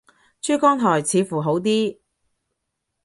珠江台似乎好啲